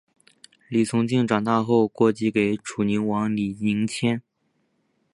李从庆长大后过继给楚定王李景迁。